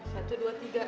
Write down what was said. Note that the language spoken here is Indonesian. satu dua tiga